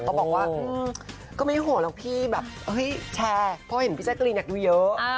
ก็บอกว่าก็ไม่ห่วงหรอกพี่แบบเฮ้ยแชร์เพราะเห็นพี่แจกรีนอยากดูเยอะ